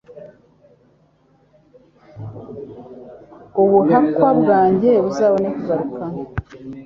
ubuhakwa bwanjye uzabone kugaruka